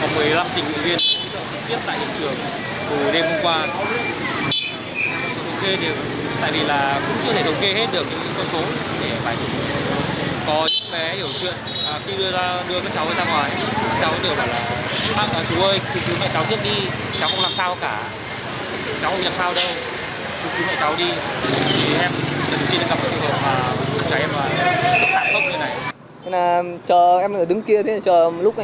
nên là chờ em ở đứng kia chờ một lúc ấy